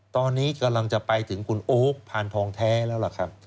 ตอนนี้กำลังจะไปถึงคุณโอ๊คพานทองแท้แล้วล่ะครับ